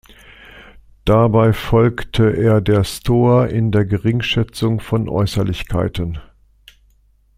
Dabei folgte er der Stoa in der Geringschätzung von Äußerlichkeiten.